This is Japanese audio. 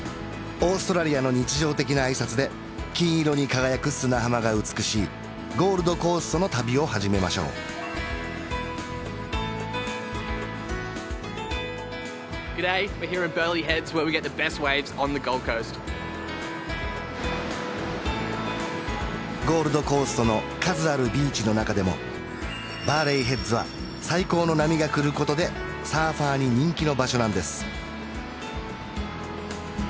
オーストラリアの日常的な挨拶で金色に輝く砂浜が美しいゴールドコーストの旅を始めましょうゴールドコーストの数あるビーチの中でもバーレイヘッズは最高の波が来ることでサーファーに人気の場所なんです